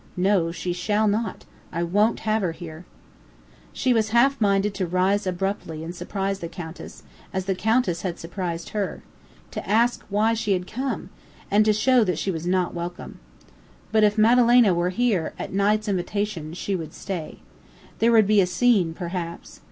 No, she shall not! I won't have her here!" She was half minded to rise abruptly and surprise the Countess, as the Countess had surprised her; to ask why she had come, and to show that she was not welcome. But if Madalena were here at Knight's invitation she would stay. There would be a scene perhaps.